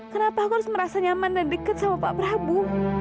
kenapa aku harus merasa nyaman dan dekat sama pak prabu